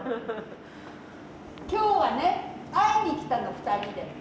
今日はね会いに来たの２人で。